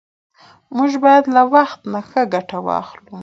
موږ باید له وخت نه ښه ګټه واخلو